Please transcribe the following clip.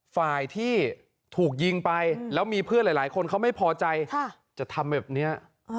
ฝ่ายที่ถูกยิงไปแล้วมีเพื่อนหลายคนเขาไม่พอใจจะทำแบบนี้